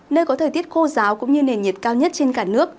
nơi có thời tiết khô giáo cũng như nền nhiệt cao nhất trên cả nước